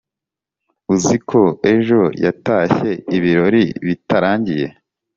uziko ejo yatashye ibirori bitarangiye"